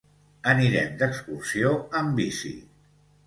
Anirem d'excursió amb bici.